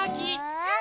うん！